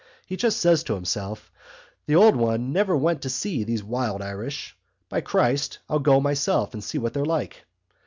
He just says to himself: 'The old one never went to see these wild Irish. By Christ, I'll go myself and see what they're like.